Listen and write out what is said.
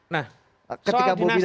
nah soal dinasti ini begini ya